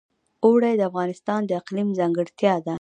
اوړي د افغانستان د اقلیم ځانګړتیا ده.